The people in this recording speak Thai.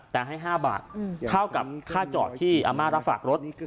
แต่ให้๕บาทเท่ากับค่าจอดที่อาม่ารับฝากรถ